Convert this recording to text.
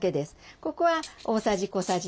ここは大さじ小さじ。